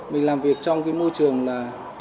mình làm việc trong cái môi trường là